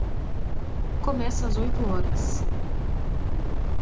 Começa às oito horas.